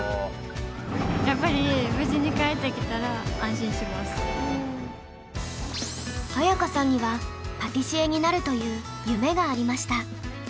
やっぱり綾華さんにはパティシエになるという夢がありました。